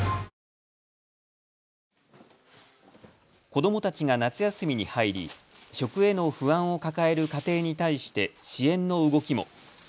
子どもたちが夏休みに入り食への不安を抱える家庭に対して支援の動きも。